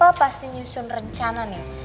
gak tau deh siapa yang punya warung itu